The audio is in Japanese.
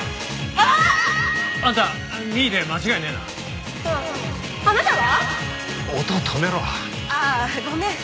ああごめん。